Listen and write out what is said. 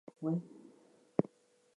If you do this, your father will help us.